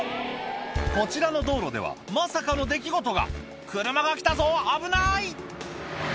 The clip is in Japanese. こちらの道路ではまさかの出来事が車が来たぞ危ない！